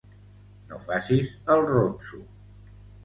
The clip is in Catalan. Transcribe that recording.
No facis el ronso